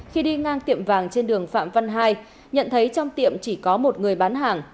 khi đi ngang tiệm vàng trên đường phạm văn hai nhận thấy trong tiệm chỉ có một người bán hàng